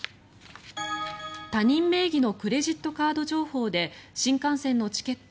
他人名義のクレジットカード情報で新幹線のチケット